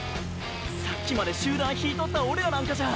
さっきまで集団引いとったオレらなんかじゃ。